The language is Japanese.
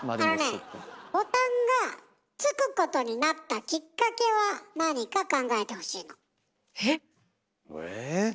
あのねボタンが付くことになったきっかけは何か考えてほしいの。へっ？え？